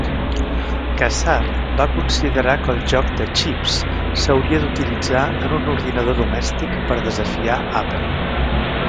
Kassar va considerar que el joc de xips s'hauria d'utilitzar en un ordinador domèstic per desafiar Apple.